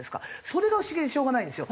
それが不思議でしょうがないんですよ。